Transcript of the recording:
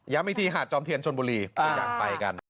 ย้ำอีทีหาดจอมเทียนชนบุรี